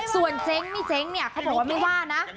ส่วนเจ๊งนี่เจ๊งเขาบอกว่าไม่ว่านะ